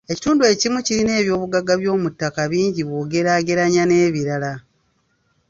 Ekitundu ekimu kirina eby'obugagga by'omu ttaka bingi bw'ogeraageranya n'ebirala.